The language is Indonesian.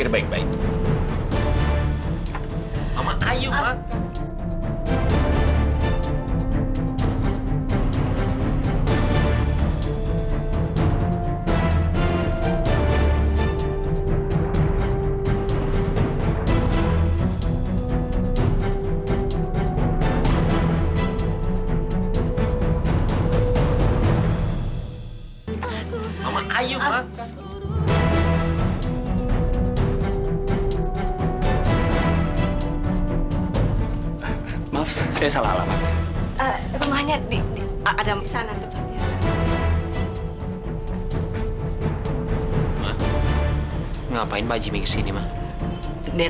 bisakah melmaybe nihjau ac iq jangan sampai brasile ibu sering kalah